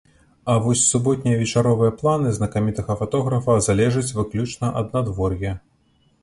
А вось суботнія вечаровыя планы знакамітага фатографа залежаць выключна ад надвор'я.